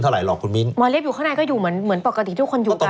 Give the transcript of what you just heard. หมอเรียบอยู่ข้างในเหมือนปกติทุกคนอยู่กัน